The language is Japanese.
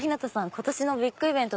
今年のビッグイベント